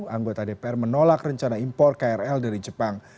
anggota dpr menolak rencana impor krl dari jepang